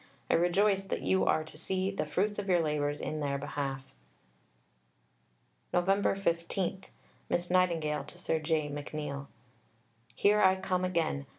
I rejoice that you are to see the fruits of your labours in their behalf. Nov. 15 (Miss Nightingale to Sir J. McNeill). Here I come again.